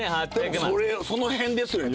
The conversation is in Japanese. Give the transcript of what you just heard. その辺ですよね？